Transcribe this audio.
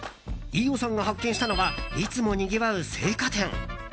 飯尾さんが発見したのはいつもにぎわう青果店。